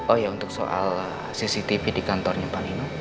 oh ya untuk soal cctv di kantornya pak nino